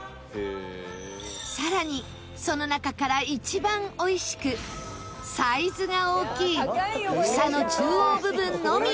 さらにその中から一番美味しくサイズが大きい房の中央部分のみを厳選！